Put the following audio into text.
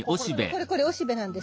これこれおしべなんです。